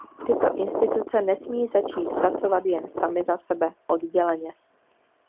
Tyto instituce nesmí začít pracovat jen samy za sebe, odděleně.